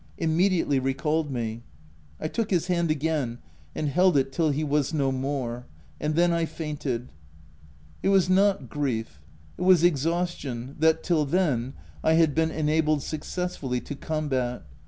immediately recalled me : I took his hand again, and held it till he was no more — and then I fainted ; it was not grief; it was exhaustion that, till then, I had been enabled successfully to com bat.